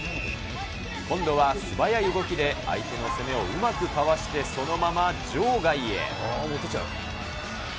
今度は素早い動きで相手の攻めをうまくかわしてそのまま場外へ。